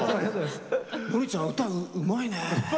ノリちゃん歌、うまいね。